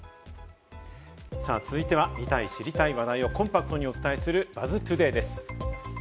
続いては、見たい知りたい話題をコンパクトにお伝えする「ＢＵＺＺＴＯＤＡＹ」です。